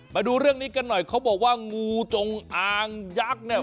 มาดูเรื่องนี้กันหน่อยเขาบอกว่างูจงอางยักษ์เนี่ย